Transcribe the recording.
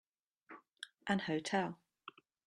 An hotel.